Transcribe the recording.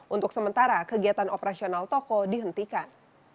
untuk sementara kegiatan operasional toko dihentikan